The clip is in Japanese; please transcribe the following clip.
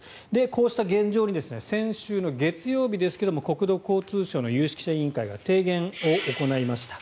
こうした現状に先週の月曜日ですけれども国土交通省の有識者委員会が提言を行いました。